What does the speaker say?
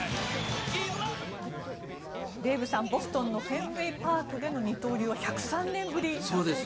デーブさん、ボストンのフェンウェイパークでの二刀流は１０３年ぶりだそうです。